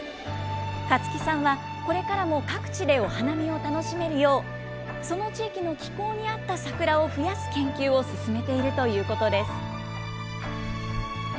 勝木さんはこれからも各地でお花見を楽しめるよう、その地域の気候に合った桜を増やす研究を進めているということです。